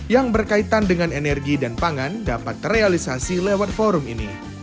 yang berkaitan dengan energi dan pangan dapat terrealisasi lewat forum ini